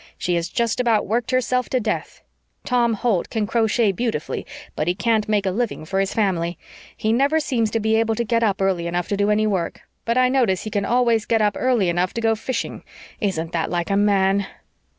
She has just about worked herself to death. Tom Holt can crochet beautifully, but he can't make a living for his family. He never seems to be able to get up early enough to do any work, but I notice he can always get up early to go fishing. Isn't that like a man?"